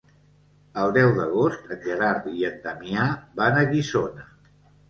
El deu d'agost en Gerard i en Damià van a Guissona.